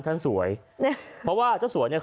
ฉันสวยเพราะว่าเจ้าสวยเนี่ย